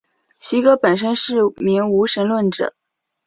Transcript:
席格本身是名无神论者。